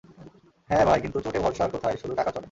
হ্যাঁ, ভাই কিন্তু ভোটে ভরসা আর কোথায়, শুধু টাকা চলে।